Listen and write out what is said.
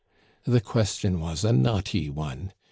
The question was a knotty one.